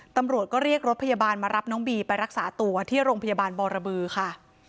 ตำรวจก็เรียกรถพยาบาลมารับน้องบีไปรักษาตัวที่โรงพยาบาลบรบือค่ะ